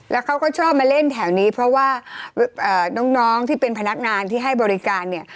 แล้วเขาก็ชอบมาเล่นแถวนี้เพราะว่าน้องที่เป็นพนักงานที่ให้บริการเนี่ย